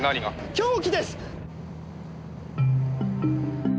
凶器です！